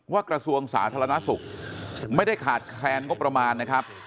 กระทรวงสาธารณสุขไม่ได้ขาดแคลนงบประมาณนะครับ